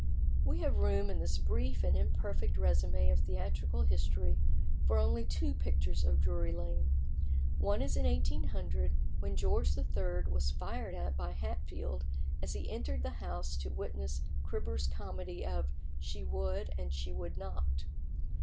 We have room in this brief and imperfect résumé of theatrical history for only two pictures of Drury Lane. One is in 1800, when George III. was fired at by Hatfield as he entered the house to witness Cribber's comedy of "She Would and She Would Not."